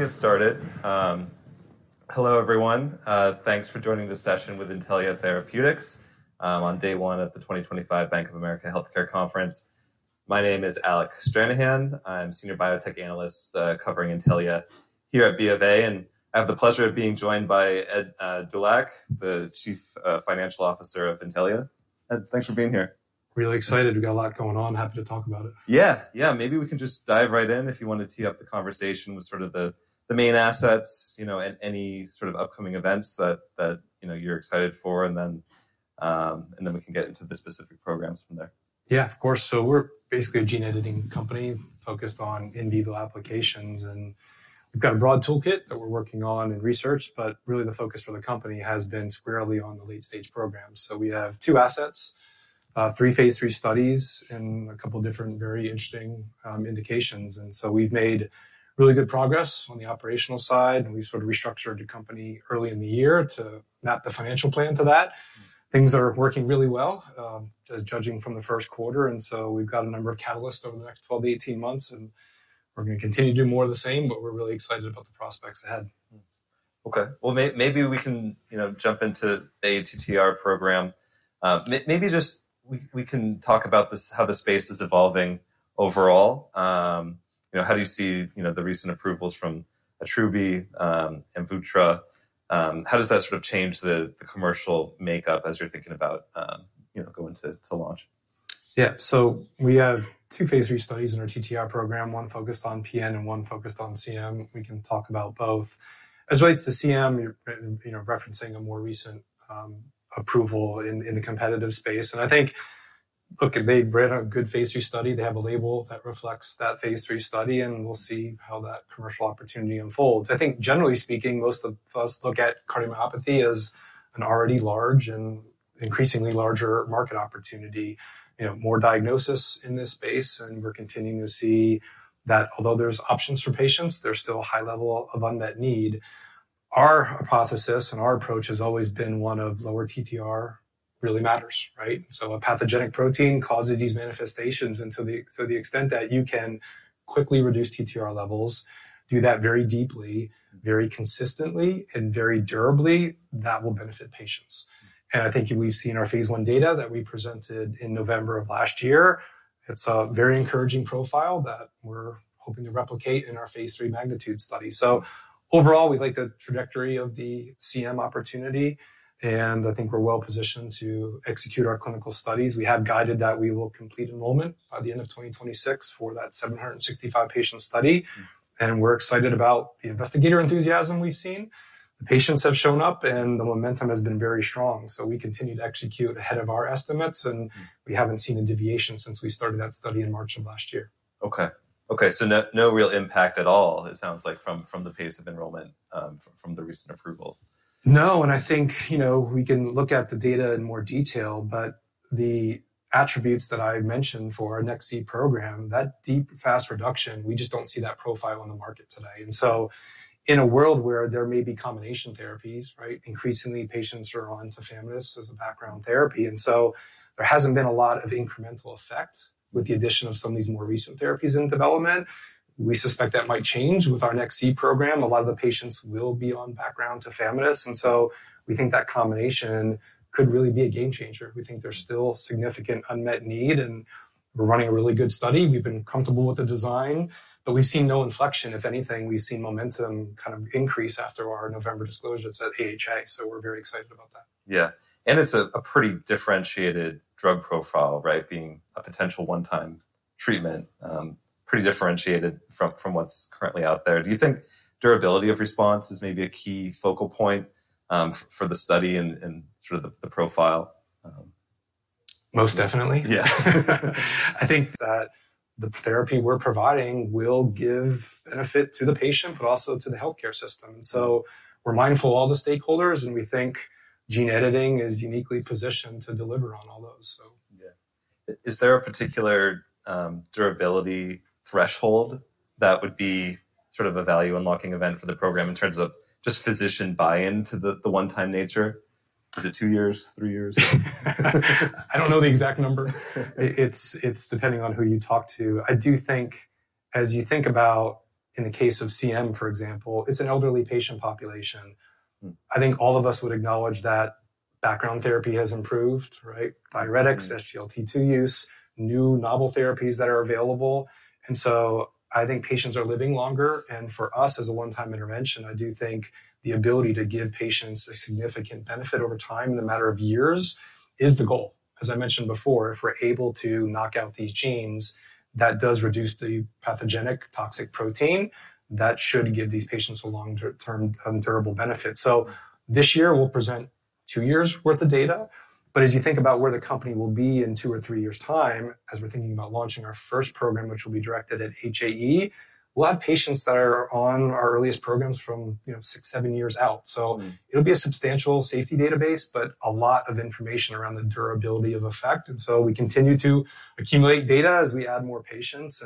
Get started. Hello, everyone. Thanks for joining the session with Intellia Therapeutics on day one of the 2025 Bank of America Healthcare Conference. My name is Alec Stranahan. I'm a Senior Biotech Analyst covering Intellia here at BofA, and I have the pleasure of being joined by Ed Dulac, the Chief Financial Officer of Intellia. Ed, thanks for being here. Really excited. We've got a lot going on. Happy to talk about it. Yeah, yeah. Maybe we can just dive right in if you want to tee up the conversation with sort of the main assets and any sort of upcoming events that you're excited for, and then we can get into the specific programs from there. Yeah, of course. We're basically a gene editing company focused on in vivo applications, and we've got a broad toolkit that we're working on and research, but really the focus for the company has been squarely on the late-stage programs. We have two assets, three phase III studies, and a couple of different very interesting indications. We've made really good progress on the operational side, and we sort of restructured the company early in the year to map the financial plan to that. Things are working really well, judging from the first quarter. We've got a number of catalysts over the next 12 to 18 months, and we're going to continue to do more of the same, but we're really excited about the prospects ahead. Okay. Maybe we can jump into the ATTR program. Maybe just we can talk about how the space is evolving overall. How do you see the recent approvals from Attruby, Amvuttra? How does that sort of change the commercial makeup as you're thinking about going to launch? Yeah. We have two phase III studies in our TTR program, one focused on PN and one focused on CM. We can talk about both. As relates to CM, you're referencing a more recent approval in the competitive space. I think, look, they ran a good phase III study. They have a label that reflects that phase III study, and we'll see how that commercial opportunity unfolds. I think, generally speaking, most of us look at cardiomyopathy as an already large and increasingly larger market opportunity, more diagnosis in this space. We're continuing to see that although there's options for patients, there's still a high level of unmet need. Our hypothesis and our approach has always been one of lower TTR really matters, right? A pathogenic protein causes these manifestations. To the extent that you can quickly reduce TTR levels, do that very deeply, very consistently, and very durably, that will benefit patients. I think we have seen our phase I data that we presented in November of last year. It is a very encouraging profile that we are hoping to replicate in our phase III magnitude study. Overall, we like the trajectory of the CM opportunity, and I think we are well positioned to execute our clinical studies. We have guided that we will complete enrollment by the end of 2026 for that 765-patient study, and we are excited about the investigator enthusiasm we have seen. The patients have shown up, and the momentum has been very strong. We continue to execute ahead of our estimates, and we have not seen a deviation since we started that study in March of last year. Okay. Okay. So no real impact at all, it sounds like, from the pace of enrollment from the recent approvals. No. I think we can look at the data in more detail, but the attributes that I mentioned for our next C program, that deep, fast reduction, we just do not see that profile on the market today. In a world where there may be combination therapies, right, increasingly patients are on tafamidis as a background therapy. There has not been a lot of incremental effect with the addition of some of these more recent therapies in development. We suspect that might change with our next C program. A lot of the patients will be on background tafamidis. We think that combination could really be a game changer. We think there is still significant unmet need, and we are running a really good study. We have been comfortable with the design, but we have seen no inflection. If anything, we've seen momentum kind of increase after our November disclosure that says AHA. So we're very excited about that. Yeah. It is a pretty differentiated drug profile, right? being a potential one-time treatment, pretty differentiated from what's currently out there. Do you think durability of response is maybe a key focal point for the study and sort of the profile? Most definitely. Yeah. I think that the therapy we're providing will give benefit to the patient, but also to the healthcare system. We are mindful of all the stakeholders, and we think gene editing is uniquely positioned to deliver on all those. Yeah. Is there a particular durability threshold that would be sort of a value unlocking event for the program in terms of just physician buy-in to the one-time nature? Is it two years, three years? I don't know the exact number. It's depending on who you talk to. I do think as you think about in the case of CM, for example, it's an elderly patient population. I think all of us would acknowledge that background therapy has improved, right? Diuretics, SGLT2 use, new novel therapies that are available. I think patients are living longer. For us as a one-time intervention, I do think the ability to give patients a significant benefit over time in a matter of years is the goal. As I mentioned before, if we're able to knock out these genes that does reduce the pathogenic toxic protein, that should give these patients a long-term durable benefit. This year, we'll present two years' worth of data. As you think about where the company will be in two or three years' time, as we're thinking about launching our first program, which will be directed at HAE, we'll have patients that are on our earliest programs from six, seven years out. It will be a substantial safety database, but a lot of information around the durability of effect. We continue to accumulate data as we add more patients.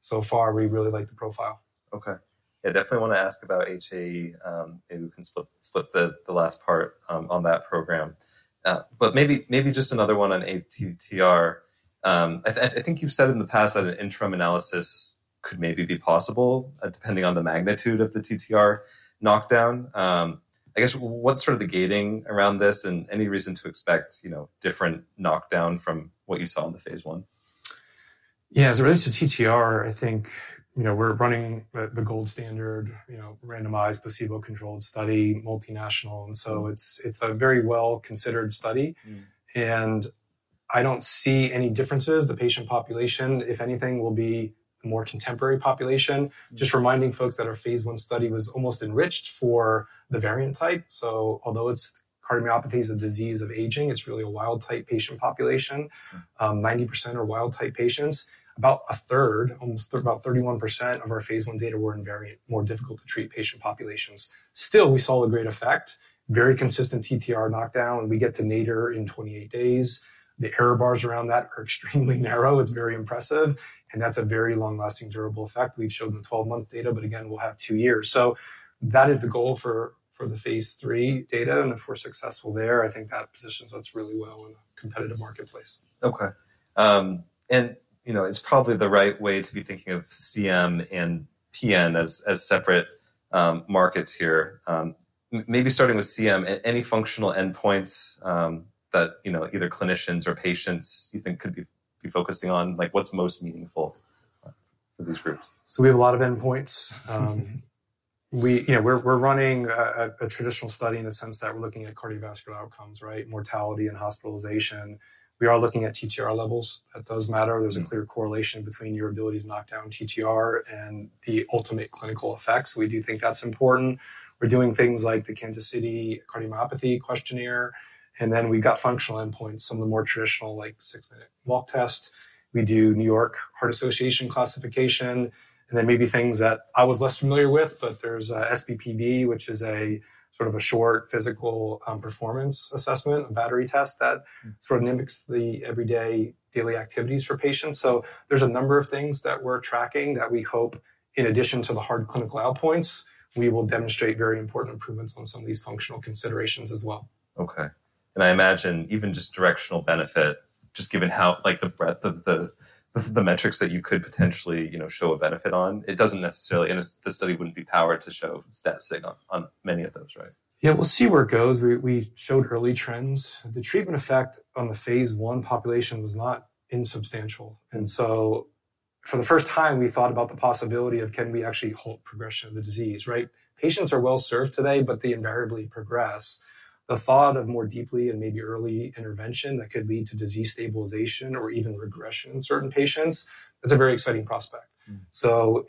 So far, we really like the profile. Okay. Yeah. Definitely want to ask about HAE. Maybe we can split the last part on that program. Maybe just another one on ATTR. I think you've said in the past that an interim analysis could maybe be possible depending on the magnitude of the TTR knockdown. I guess what's sort of the gating around this and any reason to expect different knockdown from what you saw in the phase I? Yeah. As it relates to TTR, I think we're running the gold standard, randomized placebo-controlled study, multinational. It's a very well-considered study. I don't see any differences. The patient population, if anything, will be the more contemporary population. Just reminding folks that our phase I study was almost enriched for the variant type. Although cardiomyopathy is a disease of aging, it's really a wild-type patient population. 90% are wild-type patients. About a third, almost about 31% of our phase I data were in variant, more difficult to treat patient populations. Still, we saw a great effect, very consistent TTR knockdown. We get to nadir in 28 days. The error bars around that are extremely narrow. It's very impressive. That's a very long-lasting, durable effect. We've showed in the 12-month data, but again, we'll have two years. That is the goal for the phase III data. If we're successful there, I think that positions us really well in a competitive marketplace. Okay. It's probably the right way to be thinking of CM and PN as separate markets here. Maybe starting with CM, any functional endpoints that either clinicians or patients you think could be focusing on, like what's most meaningful for these groups? We have a lot of endpoints. We're running a traditional study in the sense that we're looking at cardiovascular outcomes, right? Mortality and hospitalization. We are looking at TTR levels if those matter. There's a clear correlation between your ability to knock down TTR and the ultimate clinical effects. We do think that's important. We're doing things like the Kansas City Cardiomyopathy Questionnaire. Then we've got functional endpoints, some of the more traditional, like six-minute walk test. We do New York Heart Association classification. Maybe things that I was less familiar with, but there's SPPB, which is a sort of a short physical performance assessment, a battery test that sort of mimics the everyday daily activities for patients. There is a number of things that we are tracking that we hope, in addition to the hard clinical outpoints, we will demonstrate very important improvements on some of these functional considerations as well. Okay. I imagine even just directional benefit, just given how the breadth of the metrics that you could potentially show a benefit on, it does not necessarily, and the study would not be powered to show statistic on many of those, right? Yeah. We'll see where it goes. We showed early trends. The treatment effect on the phase I population was not insubstantial. For the first time, we thought about the possibility of can we actually halt progression of the disease, right? Patients are well served today, but they invariably progress. The thought of more deeply and maybe early intervention that could lead to disease stabilization or even regression in certain patients, that's a very exciting prospect.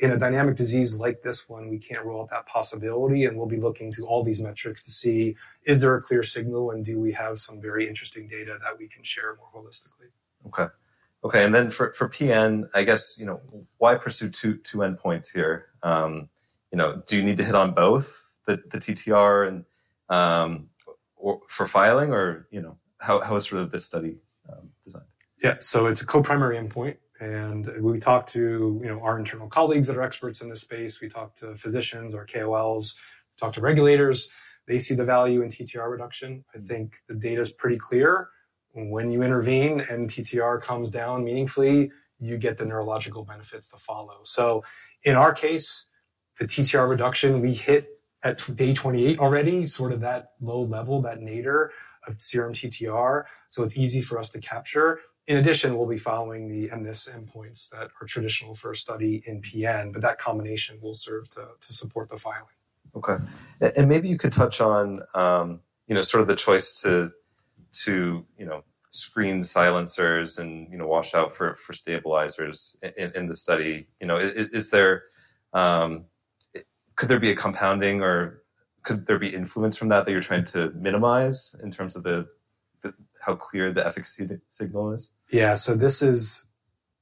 In a dynamic disease like this one, we can't rule out that possibility. We'll be looking to all these metrics to see, is there a clear signal, and do we have some very interesting data that we can share more holistically? Okay. Okay. For PN, I guess why pursue two endpoints here? Do you need to hit on both the TTR for filing, or how is this study designed? Yeah. It's a co-primary endpoint. We talked to our internal colleagues that are experts in this space. We talked to physicians, our KOLs, talked to regulators. They see the value in TTR reduction. I think the data is pretty clear. When you intervene and TTR comes down meaningfully, you get the neurological benefits to follow. In our case, the TTR reduction, we hit at day 28 already, sort of that low level, that nadir of serum TTR. It's easy for us to capture. In addition, we'll be following the MNIST endpoints that are traditional for a study in PN, but that combination will serve to support the filing. Okay. Maybe you could touch on sort of the choice to screen silencers and wash out for stabilizers in the study. Could there be a compounding, or could there be influence from that that you're trying to minimize in terms of how clear the efficacy signal is? Yeah. This is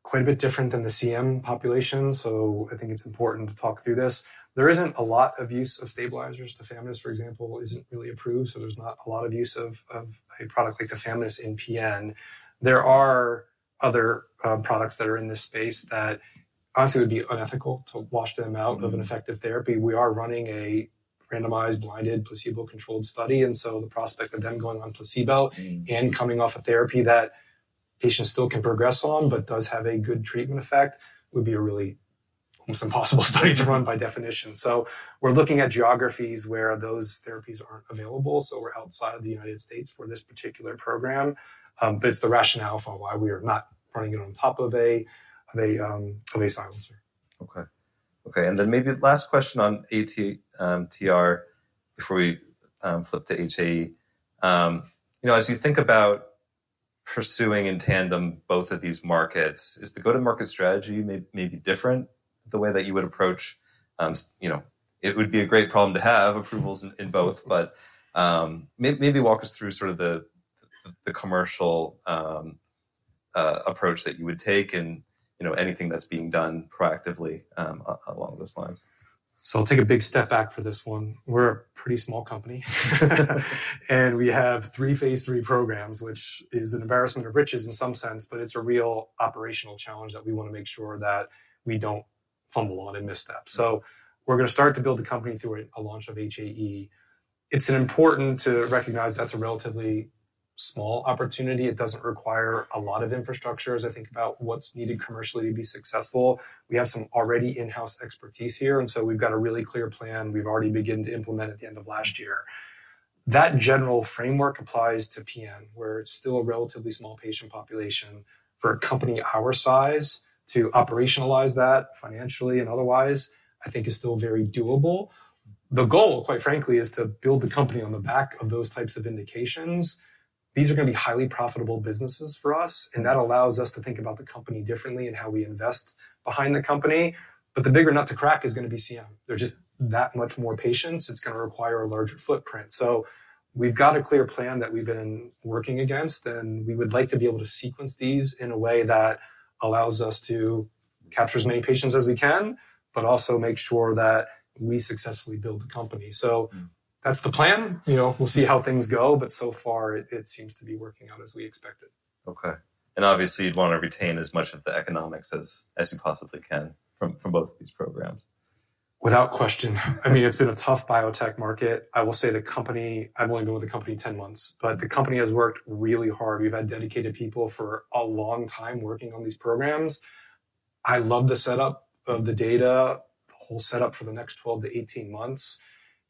quite a bit different than the CM population. I think it's important to talk through this. There isn't a lot of use of stabilizers. tafamidis, for example, isn't really approved. There's not a lot of use of a product like tafamidis in PN. There are other products that are in this space that honestly would be unethical to wash them out of an effective therapy. We are running a randomized, blinded, placebo-controlled study. The prospect of them going on placebo and coming off a therapy that patients still can progress on but does have a good treatment effect would be a really almost impossible study to run by definition. We're looking at geographies where those therapies aren't available. We're outside of the United States for this particular program. It is the rationale for why we are not running it on top of a silencer. Okay. Okay. Maybe last question on ATTR before we flip to HAE. As you think about pursuing in tandem both of these markets, is the go-to-market strategy maybe different the way that you would approach? It would be a great problem to have approvals in both, but maybe walk us through sort of the commercial approach that you would take and anything that's being done proactively along those lines. I'll take a big step back for this one. We're a pretty small company, and we have three phase III programs, which is an embarrassment of riches in some sense, but it's a real operational challenge that we want to make sure that we don't fumble on and misstep. We're going to start to build the company through a launch of HAE. It's important to recognize that's a relatively small opportunity. It doesn't require a lot of infrastructure as I think about what's needed commercially to be successful. We have some already in-house expertise here, and we've got a really clear plan we've already begun to implement at the end of last year. That general framework applies to PN, where it's still a relatively small patient population for a company our size. To operationalize that financially and otherwise, I think is still very doable. The goal, quite frankly, is to build the company on the back of those types of indications. These are going to be highly profitable businesses for us, and that allows us to think about the company differently and how we invest behind the company. The bigger nut to crack is going to be CM. There's just that much more patients. It's going to require a larger footprint. We have a clear plan that we've been working against, and we would like to be able to sequence these in a way that allows us to capture as many patients as we can, but also make sure that we successfully build the company. That's the plan. We'll see how things go, but so far, it seems to be working out as we expected. Okay. Obviously, you'd want to retain as much of the economics as you possibly can from both of these programs. Without question. I mean, it's been a tough biotech market. I will say the company, I've only been with the company 10 months, but the company has worked really hard. We've had dedicated people for a long time working on these programs. I love the setup of the data, the whole setup for the next 12 to 18 months.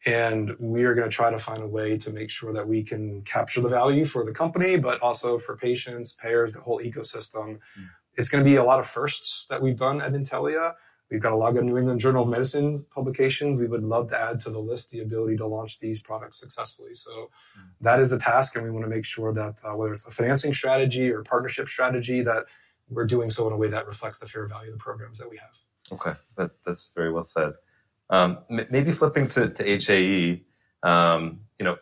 We are going to try to find a way to make sure that we can capture the value for the company, but also for patients, payers, the whole ecosystem. It's going to be a lot of firsts that we've done at Intellia. We've got a lot of New England Journal of Medicine publications. We would love to add to the list the ability to launch these products successfully. That is the task, and we want to make sure that whether it's a financing strategy or a partnership strategy, that we're doing so in a way that reflects the fair value of the programs that we have. Okay. That's very well said. Maybe flipping to HAE,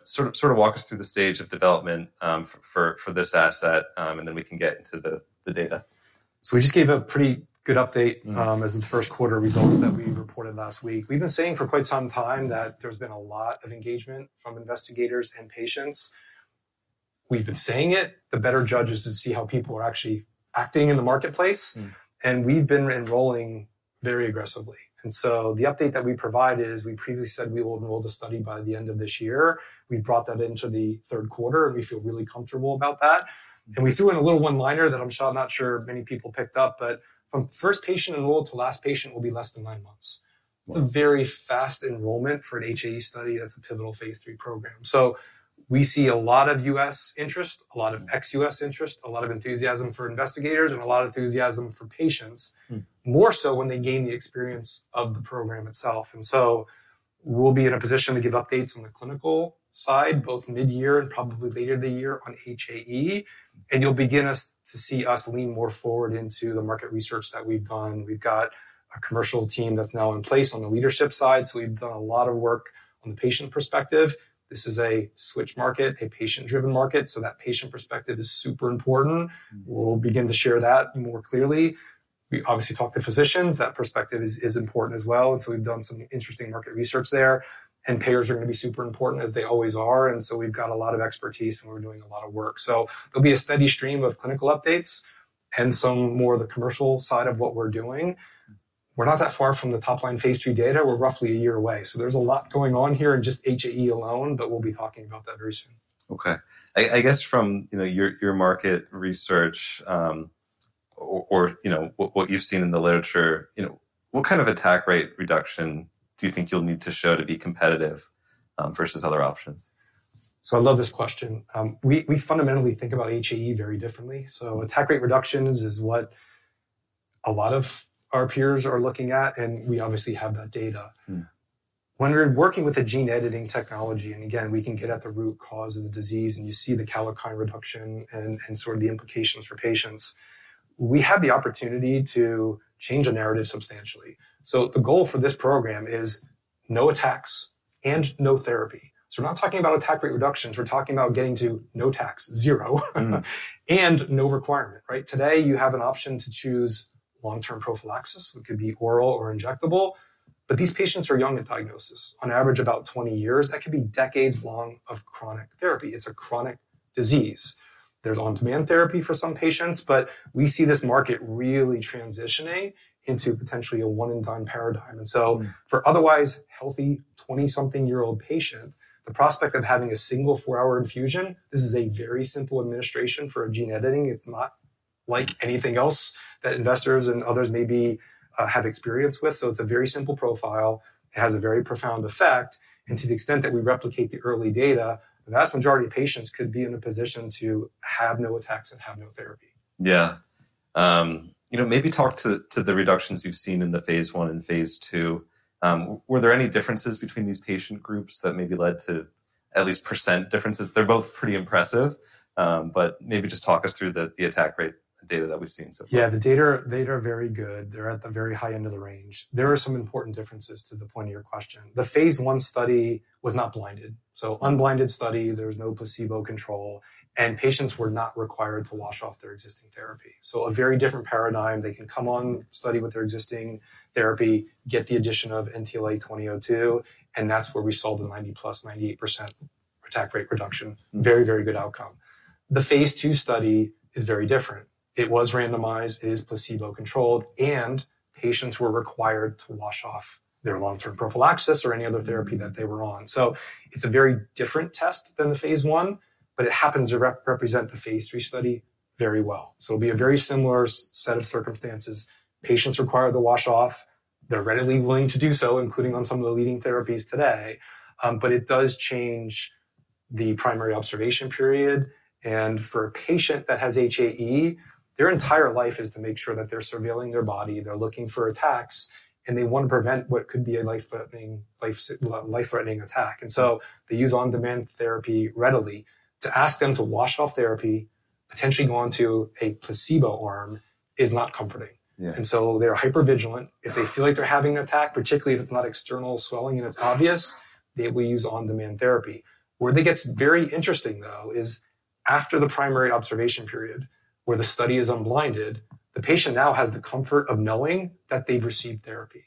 sort of walk us through the stage of development for this asset, and then we can get into the data. We just gave a pretty good update as the first quarter results that we reported last week. We've been saying for quite some time that there's been a lot of engagement from investigators and patients. We've been saying it. The better judge is to see how people are actually acting in the marketplace. We've been enrolling very aggressively. The update that we provide is we previously said we will enroll the study by the end of this year. We've brought that into the third quarter, and we feel really comfortable about that. We threw in a little one-liner that I'm not sure many people picked up, but from first patient enrolled to last patient will be less than nine months. It's a very fast enrollment for an HAE study. That's a pivotal phase III program. We see a lot of U.S. interest, a lot of ex-U.S. interest, a lot of enthusiasm for investigators, and a lot of enthusiasm for patients, more so when they gain the experience of the program itself. We will be in a position to give updates on the clinical side, both mid-year and probably later in the year on HAE. You will begin to see us lean more forward into the market research that we have done. We have got a commercial team that is now in place on the leadership side. We have done a lot of work on the patient perspective. This is a switch market, a patient-driven market. That patient perspective is super important. We will begin to share that more clearly. We obviously talk to physicians. That perspective is important as well. We have done some interesting market research there. Payers are going to be super important, as they always are. We have a lot of expertise, and we are doing a lot of work. There will be a steady stream of clinical updates and some more of the commercial side of what we are doing. We are not that far from the top-line phase III data. We are roughly a year away. There is a lot going on here in just HAE alone, but we will be talking about that very soon. Okay. I guess from your market research or what you've seen in the literature, what kind of attack rate reduction do you think you'll need to show to be competitive versus other options? I love this question. We fundamentally think about HAE very differently. Attack rate reductions is what a lot of our peers are looking at, and we obviously have that data. When we're working with a gene-editing technology, and again, we can get at the root cause of the disease, and you see the calprotectin reduction and sort of the implications for patients, we have the opportunity to change a narrative substantially. The goal for this program is no attacks and no therapy. We're not talking about attack rate reductions. We're talking about getting to no attacks, zero, and no requirement, right? Today, you have an option to choose long-term prophylaxis, which could be oral or injectable. These patients are young at diagnosis. On average, about 20 years. That could be decades long of chronic therapy. It's a chronic disease. is on-demand therapy for some patients, but we see this market really transitioning into potentially a one-and-done paradigm. For an otherwise healthy 20-something-year-old patient, the prospect of having a single four-hour infusion, this is a very simple administration for a gene editing. It is not like anything else that investors and others maybe have experience with. It is a very simple profile. It has a very profound effect. To the extent that we replicate the early data, the vast majority of patients could be in a position to have no attacks and have no therapy. Yeah. Maybe talk to the reductions you've seen in the phase I and phase II. Were there any differences between these patient groups that maybe led to at least percent differences? They're both pretty impressive, but maybe just talk us through the attack rate data that we've seen so far. Yeah. The data are very good. They're at the very high end of the range. There are some important differences to the point of your question. The phase I study was not blinded. So unblinded study, there was no placebo control, and patients were not required to wash off their existing therapy. So a very different paradigm. They can come on study with their existing therapy, get the addition of NTLA-2002, and that's where we saw the 90-plus, 98% attack rate reduction. Very, very good outcome. The phase II study is very different. It was randomized. It is placebo-controlled, and patients were required to wash off their long-term prophylaxis or any other therapy that they were on. So it's a very different test than the phase I, but it happens to represent the phase III study very well. It'll be a very similar set of circumstances. Patients require the wash-off. They're readily willing to do so, including on some of the leading therapies today. It does change the primary observation period. For a patient that has HAE, their entire life is to make sure that they're surveilling their body. They're looking for attacks, and they want to prevent what could be a life-threatening attack. They use on-demand therapy readily. To ask them to wash off therapy, potentially going to a placebo arm, is not comforting. They're hypervigilant. If they feel like they're having an attack, particularly if it's not external swelling and it's obvious, they will use on-demand therapy. Where it gets very interesting, though, is after the primary observation period, where the study is unblinded, the patient now has the comfort of knowing that they've received therapy.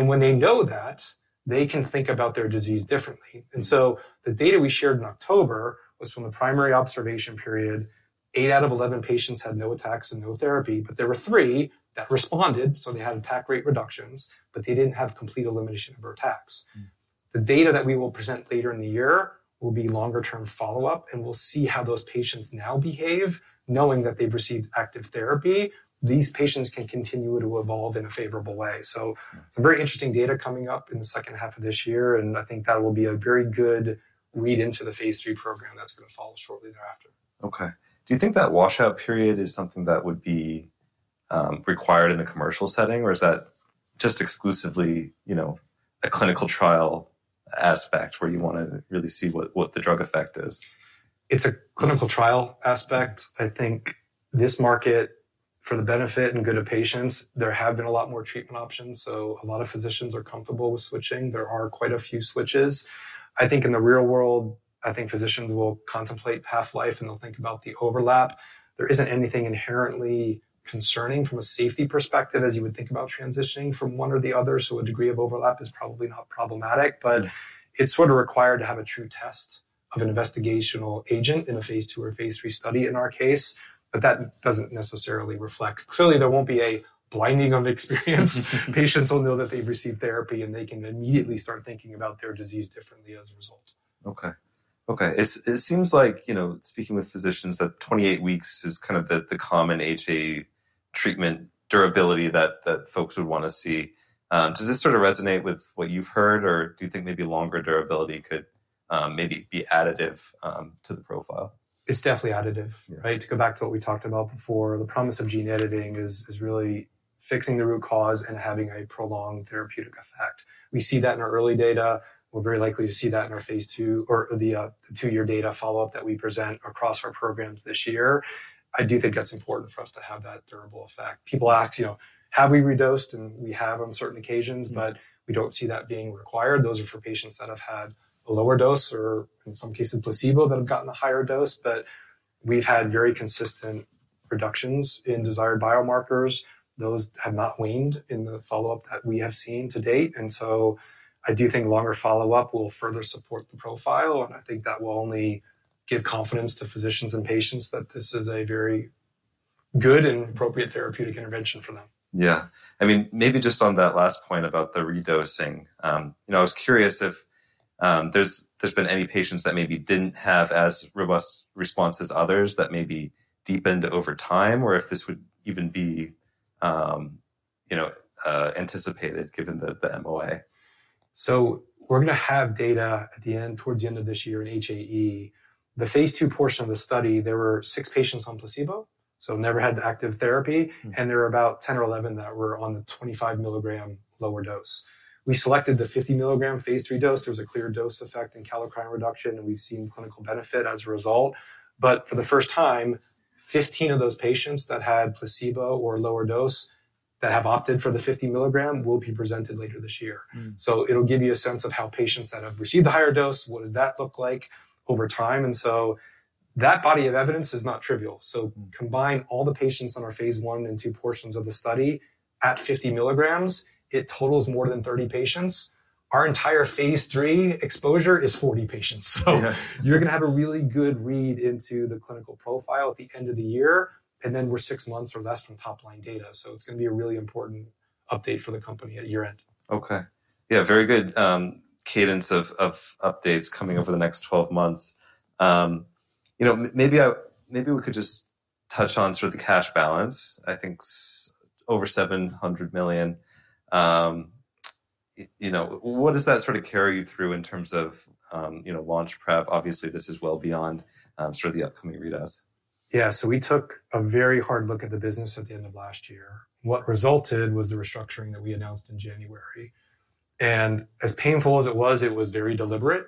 When they know that, they can think about their disease differently. The data we shared in October was from the primary observation period. Eight out of 11 patients had no attacks and no therapy, but there were three that responded. They had attack rate reductions, but they did not have complete elimination of their attacks. The data that we will present later in the year will be longer-term follow-up, and we will see how those patients now behave knowing that they have received active therapy. These patients can continue to evolve in a favorable way. Some very interesting data is coming up in the second half of this year, and I think that will be a very good lead into the phase III program that is going to follow shortly thereafter. Okay. Do you think that washout period is something that would be required in the commercial setting, or is that just exclusively a clinical trial aspect where you want to really see what the drug effect is? It's a clinical trial aspect. I think this market, for the benefit and good of patients, there have been a lot more treatment options. So a lot of physicians are comfortable with switching. There are quite a few switches. I think in the real world, I think physicians will contemplate half-life, and they'll think about the overlap. There isn't anything inherently concerning from a safety perspective as you would think about transitioning from one or the other. A degree of overlap is probably not problematic, but it's sort of required to have a true test of an investigational agent in a phase II or phase III study in our case. That doesn't necessarily reflect. Clearly, there won't be a blinding of experience. Patients will know that they've received therapy, and they can immediately start thinking about their disease differently as a result. Okay. Okay. It seems like speaking with physicians that 28 weeks is kind of the common HAE treatment durability that folks would want to see. Does this sort of resonate with what you've heard, or do you think maybe longer durability could maybe be additive to the profile? It's definitely additive, right? To go back to what we talked about before, the promise of gene editing is really fixing the root cause and having a prolonged therapeutic effect. We see that in our early data. We're very likely to see that in our phase II or the two-year data follow-up that we present across our programs this year. I do think that's important for us to have that durable effect. People ask, have we redosed? And we have on certain occasions, but we don't see that being required. Those are for patients that have had a lower dose or, in some cases, placebo that have gotten a higher dose. We've had very consistent reductions in desired biomarkers. Those have not waned in the follow-up that we have seen to date. I do think longer follow-up will further support the profile, and I think that will only give confidence to physicians and patients that this is a very good and appropriate therapeutic intervention for them. Yeah. I mean, maybe just on that last point about the redosing, I was curious if there's been any patients that maybe didn't have as robust response as others that maybe deepened over time or if this would even be anticipated given the MOA. We're going to have data at the end, towards the end of this year in HAE. The phase II portion of the study, there were six patients on placebo, so never had active therapy, and there were about 10 or 11 that were on the 25 mg lower dose. We selected the 50 mg phase III dose. There was a clear dose effect in kallikrein reduction, and we've seen clinical benefit as a result. For the first time, 15 of those patients that had placebo or lower dose that have opted for the 50 mg will be presented later this year. It'll give you a sense of how patients that have received the higher dose, what does that look like over time. That body of evidence is not trivial. Combine all the patients on our phase I and two portions of the study at 50 mgs. It totals more than 30 patients. Our entire phase III exposure is 40 patients. You are going to have a really good read into the clinical profile at the end of the year, and then we are six months or less from top-line data. It is going to be a really important update for the company at year-end. Okay. Yeah, very good cadence of updates coming over the next 12 months. Maybe we could just touch on sort of the cash balance. I think over $700 million. What does that sort of carry you through in terms of launch prep? Obviously, this is well beyond sort of the upcoming redos. Yeah. We took a very hard look at the business at the end of last year. What resulted was the restructuring that we announced in January. As painful as it was, it was very deliberate.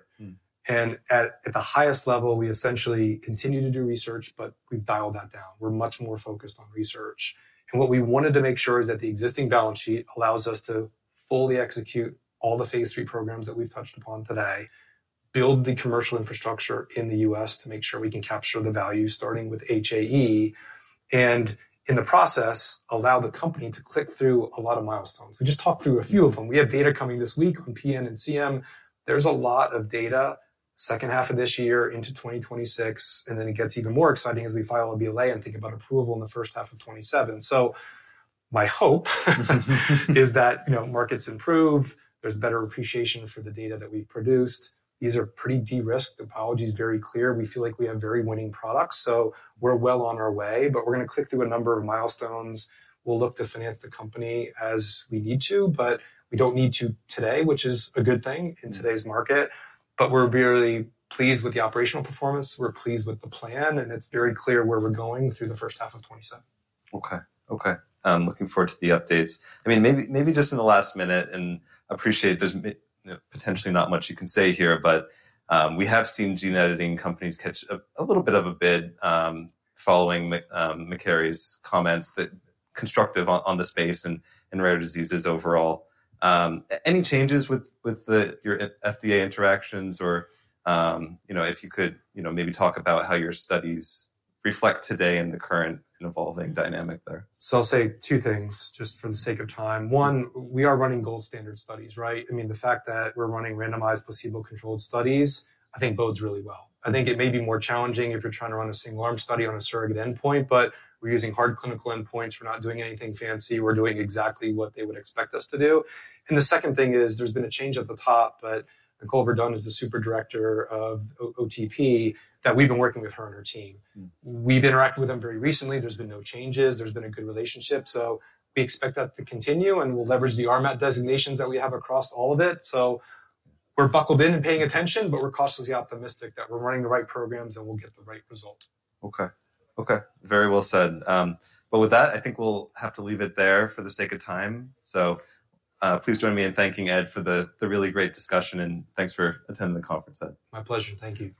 At the highest level, we essentially continue to do research, but we have dialed that down. We are much more focused on research. What we wanted to make sure is that the existing balance sheet allows us to fully execute all the phase III programs that we have touched upon today, build the commercial infrastructure in the U.S. to make sure we can capture the value starting with HAE, and in the process, allow the company to click through a lot of milestones. We just talked through a few of them. We have data coming this week on PN and CM. There's a lot of data second half of this year into 2026, and then it gets even more exciting as we file a BLA and think about approval in the first half of 2027. My hope is that markets improve. There's better appreciation for the data that we've produced. These are pretty de-risked. The pathology is very clear. We feel like we have very winning products. We're well on our way, but we're going to click through a number of milestones. We'll look to finance the company as we need to, but we don't need to today, which is a good thing in today's market. We're really pleased with the operational performance. We're pleased with the plan, and it's very clear where we're going through the first half of 2027. Okay. Okay. Looking forward to the updates. I mean, maybe just in the last minute, and I appreciate there's potentially not much you can say here, but we have seen gene-editing companies catch a little bit of a bid following McKerry's comments that are constructive on the space and rare diseases overall. Any changes with your FDA interactions or if you could maybe talk about how your studies reflect today in the current and evolving dynamic there? I'll say two things just for the sake of time. One, we are running gold standard studies, right? I mean, the fact that we're running randomized placebo-controlled studies, I think bodes really well. I think it may be more challenging if you're trying to run a single-arm study on a surrogate endpoint, but we're using hard clinical endpoints. We're not doing anything fancy. We're doing exactly what they would expect us to do. The second thing is there's been a change at the top, but Nicole Verdon is the Super Director of OTP that we've been working with, her and her team. We've interacted with them very recently. There's been no changes. There's been a good relationship. We expect that to continue, and we'll leverage the RMAT designations that we have across all of it. We're buckled in and paying attention, but we're cautiously optimistic that we're running the right programs and we'll get the right result. Okay. Okay. Very well said. With that, I think we'll have to leave it there for the sake of time. Please join me in thanking Ed for the really great discussion, and thanks for attending the conference, Ed. My pleasure. Thank you.